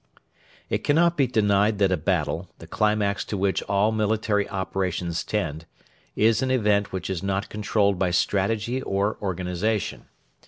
It cannot be denied that a battle, the climax to which all military operations tend, is an event which is not controlled by strategy or organisation.